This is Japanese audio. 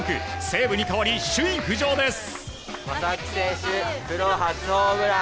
西武に代わり、首位浮上です！